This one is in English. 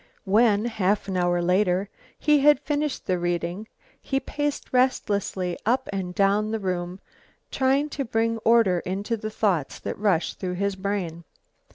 When, half an hour later, he had finished the reading, he paced restlessly up and down the room, trying to bring order into the thoughts that rushed through his brain.